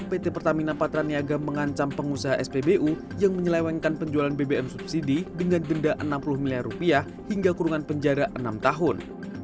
pt pertamina patraniaga mengancam pengusaha spbu yang menyelewengkan penjualan bbm subsidi dengan denda rp enam puluh miliar rupiah hingga kurungan penjara enam tahun